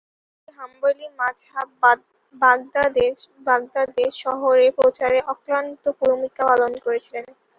তিনি হাম্বলি মাযহাব বাগদাদে শহরে প্রচারে অক্লান্ত ভূমিকা পালন করেছিলেন।